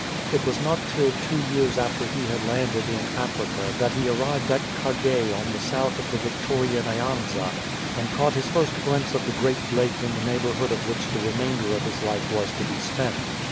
It was not till two years after he had landed in Africa that he arrived at Kagei on the south of the Victoria Nyanza, and caught his first glimpse of the great lake in the neighbourhood of which the remainder of his life was to be spent.